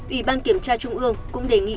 ủy ban kiểm tra trung ương cũng đề nghị